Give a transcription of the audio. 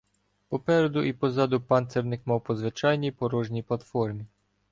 Попереду і позаду панцирник мав по звичайній порожній платформі.